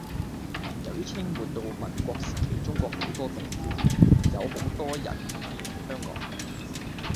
由於清末到民國時期中國好多動亂，有好多人移民來香港